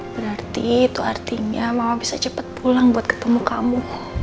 berarti itu artinya mama bisa cepat pulang buat ketemu kamu